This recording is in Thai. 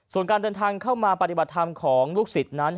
ส่วนการเดินทางเข้ามาปฏิบัติธรรมของลูกศิษย์นั้น